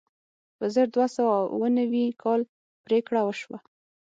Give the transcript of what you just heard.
په زر دوه سوه اوه نوي کال پرېکړه وشوه.